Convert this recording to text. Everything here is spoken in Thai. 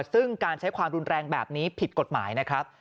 ซึ่งการใช้ความรุนแรงแบบนี้ผิดกฎหมายนะครับ